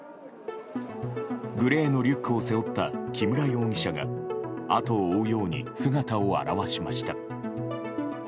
グレーのリュックを背負った木村容疑者が後を追うように姿を現しました。